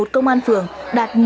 một mươi một công an phường đạt